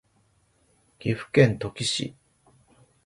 岐阜県土岐市